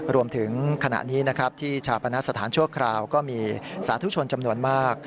รวมถึงขณะนี้นะครับที่ชาปณสถานชั่วคราวก็มีสาธุชนจำนวนมาก